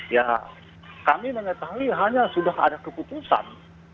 ya kami mengetahui hanya sudah ada keputusan